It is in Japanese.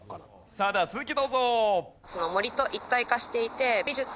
さあでは続きどうぞ。